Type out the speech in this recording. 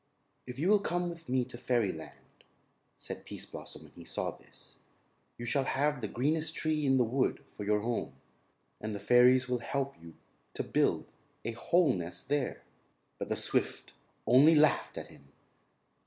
"If you will come with me to fairyland," said Pease Blossom when he saw this, "you shall have the greenest tree in the wood for your home. And the fairies will help you to build a whole nest there." But the swift only laughed at him.